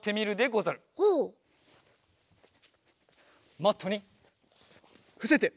マットにふせて。